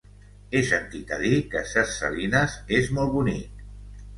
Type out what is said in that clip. He sentit a dir que Ses Salines és molt bonic.